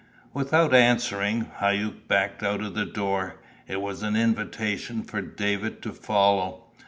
Without answering, Hauck backed out of the door. It was an invitation for David to follow.